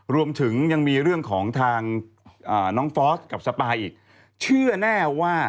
รวมถึงยังมีเรื่องของทางน้องฟอสกับสปายอีกเชื่อแน่ว่า